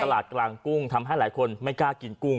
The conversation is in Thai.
ตลาดกลางกุ้งทำให้หลายคนไม่กล้ากินกุ้ง